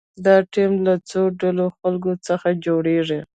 دا ټیم له څو ډوله خلکو څخه جوړیږي.